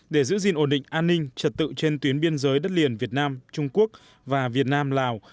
để giữ gìn ổn định an ninh trật tự trên tuyến biên giới đất liền việt nam trung quốc và việt nam lào